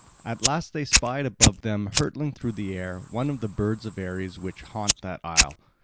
At last they spied above them, hurtling through the air, one of the birds of Ares which haunt that isle.